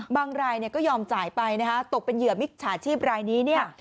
บางรายก็ยอมจ่ายไปนะคะตกเป็นเหยื่อมิจฉาชีพรายนี้